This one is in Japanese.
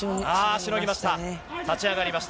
しのぎました。